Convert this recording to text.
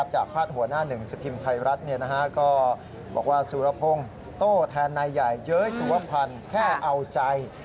พาดหัวหน้าหนึ่งสิบพิมพ์ไทยรัฐก็บอกว่าสุรพงศ์โต้แทนนายใหญ่เย้ยสุวพันธ์แค่เอาใจ